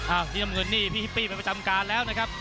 พี่น้ำเงินนี่พี่ฮิปปี้เป็นประจำการแล้วนะครับ